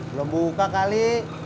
belum buka kali